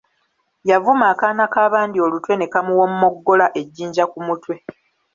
Yavuma akaana k’abandi olutwe ne kamuwomoggola ejjinja ku mutwe.